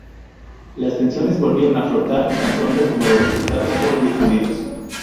Las tensiones volvieron a aflorar tan pronto como los resultados fueron difundidos.